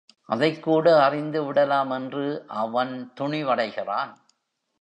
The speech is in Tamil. அதைக்கூட அறிந்துவிடலாம் என்று அவன் துணிவடைகிறான்.